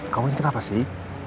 kamu ini kenapa sih